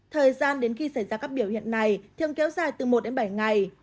thời gian đến khi xảy ra các biểu hiện này thường kéo dài từ một đến bảy ngày